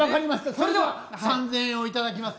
それでは３，０００円を頂きます。